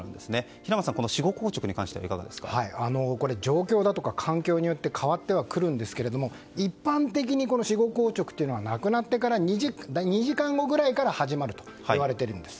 平松さん、死後硬直についてはこれ、状況だとか環境によって変わってはくるんですが一般的に死後硬直は亡くなってから２時間後くらいから始まるといわれているんです。